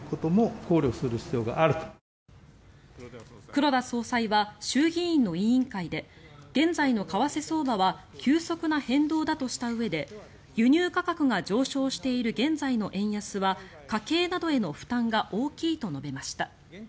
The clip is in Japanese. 黒田総裁は衆議院の委員会で現在の為替相場は急速な変動だとしたうえで輸入価格が上昇している現在の円安は家計などへの負担が大きいと述べました。